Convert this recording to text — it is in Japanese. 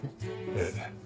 ええ。